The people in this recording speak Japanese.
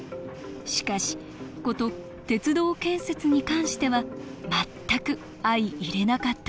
しかしこと鉄道建設に関しては全く相いれなかったのです。